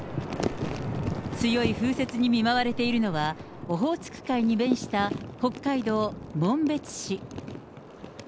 強い風雪に見舞われているのは、オホーツク海に面した北海道紋別市。